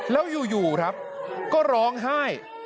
แล้วอยู่ครับก็ร้องไห้